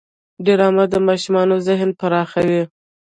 ډرامه د ماشومانو ذهن پراخوي